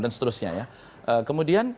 dan seterusnya ya kemudian